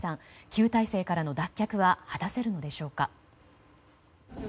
旧体制からの脱却は果たせるのでしょうか。